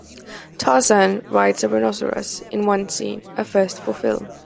Tarzan rides a rhinoceros in one scene - a first for film.